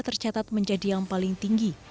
tercatat menjadi yang paling tinggi